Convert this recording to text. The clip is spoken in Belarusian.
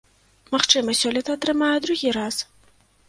Магчыма, сёлета атрымае другі раз.